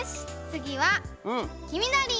つぎはきみどり！